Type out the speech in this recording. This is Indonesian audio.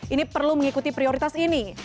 ini perlu mengikuti prioritas ini